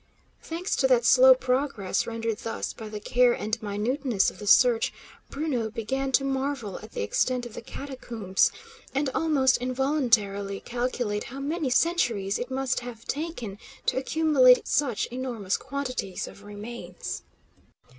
Thanks to that slow progress, rendered thus by the care and minuteness of the search, Bruno began to marvel at the extent of the catacombs, and almost involuntarily calculate how many centuries it must have taken to accumulate such enormous quantities of remains.